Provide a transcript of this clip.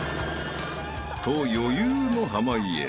［と余裕の濱家］